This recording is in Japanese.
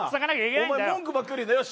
お前文句ばっかり言ってよし！